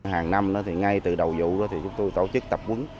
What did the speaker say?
hàng năm ngay từ đầu vụ chúng tôi tổ chức tập quấn